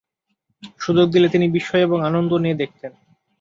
সুযোগ দিলে তিনি বিস্ময় এবং আনন্দ নিয়ে দেখতেন।